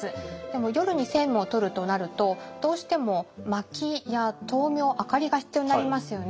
でも夜に政務をとるとなるとどうしてもまきや灯明明かりが必要になりますよね。